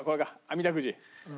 あみだくじ。